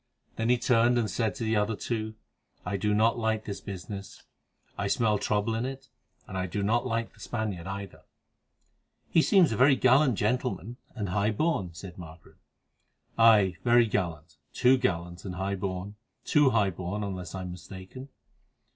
Then he turned and said to the other two: "I do not like this business. I smell trouble in it, and I do not like the Spaniard either." "He seems a very gallant gentleman, and high born," said Margaret. "Aye, very gallant—too gallant, and high born—too high born, unless I am mistaken.